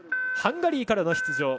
ハンガリーからの出場。